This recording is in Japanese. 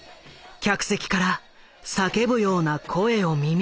客席から叫ぶような声を耳にした。